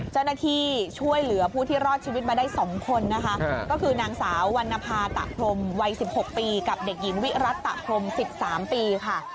เจ้าหน้าที่ช่วยเหลือผู้ที่รอดชีวิตมาได้๒คนนะคะก็คือนางสาววรรณภาตะพรมวัย๑๖ปีกับเด็กหญิงวิรัตตะพรม๑๓ปีค่ะ